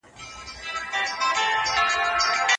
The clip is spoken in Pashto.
افغاني ټولنه د فکري ودې پر لور روانه ده.